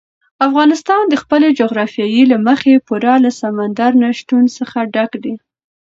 افغانستان د خپلې جغرافیې له مخې پوره له سمندر نه شتون څخه ډک دی.